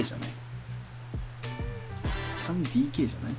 ３ＤＫじゃない？